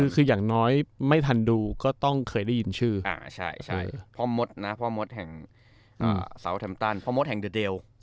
คืออย่างน้อย